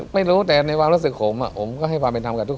ไม่รู้แต่ในว่ารู้สึกของผมก็ให้ฟาร์มไปทำกับทุกคน